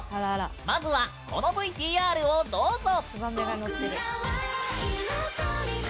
まずは、このＶＴＲをどうぞ！